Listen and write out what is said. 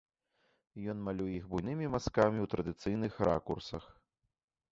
Ён малюе іх буйнымі мазкамі ў традыцыйных ракурсах.